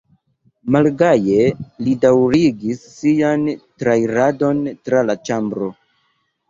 Malgaje li daŭrigis sian trairadon tra la ĉambro.